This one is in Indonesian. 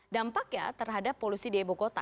dampaknya terhadap polusi di ibu kota